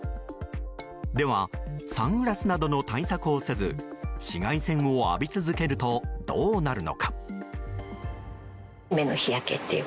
では、サングラスなどの対策をせず紫外線を浴び続けるとどうなるのか。